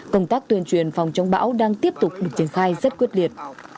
công tác tuyên truyền phòng chống bão đang tiếp tục được triển khai rất quyết liệt